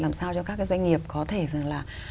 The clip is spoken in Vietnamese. làm sao cho các cái doanh nghiệp có thể rằng là